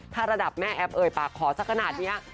ถ้าระดับแม่แอฟเอ่ยปากขอสักขนาดนี้